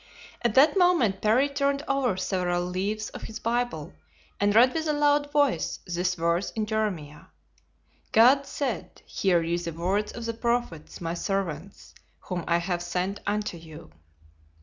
At that moment Parry turned over several leaves of his Bible and read with a loud voice this verse in Jeremiah: "God said, 'Hear ye the words of the prophets my servants, whom I have sent unto you.